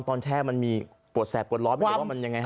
ตอนแช่มันมีปวดแสดปวดร้อนหรือว่ามันยังไงครับ